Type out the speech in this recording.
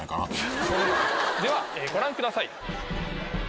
ではご覧ください。